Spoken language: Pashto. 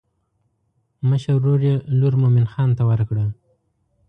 مشر ورور یې لور مومن خان ته ورکړه.